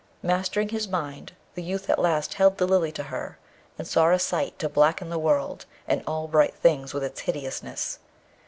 Mastering his mind, the youth at last held the Lily to her, and saw a sight to blacken the world and all bright things with its hideousness.